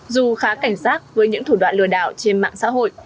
dù khá cảnh giác với những thủ đoạn lừa đảo trên mạng xã hội